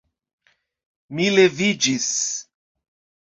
Mi leviĝis.